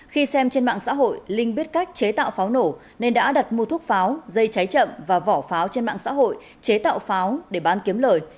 khi xem trên mạng xã hội linh biết cách chế tạo pháo nổ nên đã đặt mua thuốc pháo dây cháy chậm và vỏ pháo trên mạng xã hội chế tạo pháo để bán kiếm lời